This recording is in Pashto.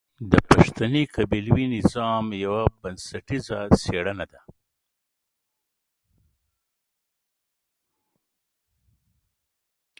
د پښتني قبيلوي نظام يوه بنسټيزه څېړنه ده.